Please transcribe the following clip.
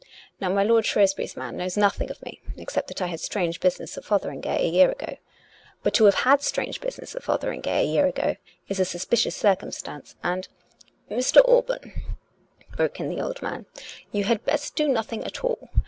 Now, my lord Shrewsbury's man knows nothing of me except that I had strange business at Fotheringay a year ago. But to have had strange business at Fotheringay a year ago is a suspicious circumstance; and "" Mr. Alban," broke in the old man, " you had best do nothing at all.